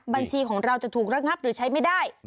บัญชีของเราจะถูกระงับหรือใช้ไม่ได้